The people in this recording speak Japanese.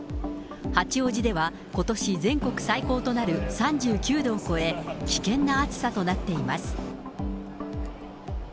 八王子ではことし全国最高となる３９度を超え、危険な暑さとなっています。